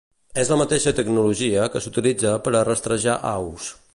És la mateixa tecnologia que s'utilitza per a rastrejar aus.